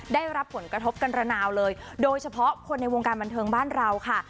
ได้รับผลกระทบกันระนาวเลยโดยเฉพาะคนในวงการบันเทิงบ้านเราค่ะ